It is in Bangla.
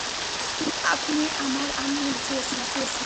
আপনি আমার আম্মুর জীবন বাঁচিয়েছেন।